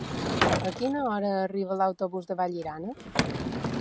A quina hora arriba l'autobús de Vallirana?